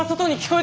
え？